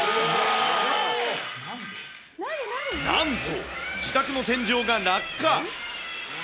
なんと、自宅の天井が落下。